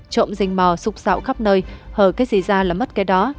trộm rình mò sục xạo khắp nơi hở cái gì ra là mất cái đó